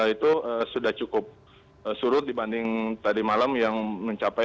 itu sudah cukup surut dibanding tadi malam yang mencapai